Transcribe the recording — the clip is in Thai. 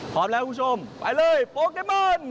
พร้อมแล้วคุณผู้ชมไปเลยโปเกมอน